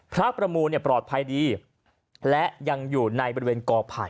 พระประมูลเนี่ยปลอดภัยดีและยังอยู่ในบริเวณกอภัย